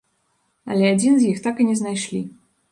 Але адзін з іх так і не знайшлі.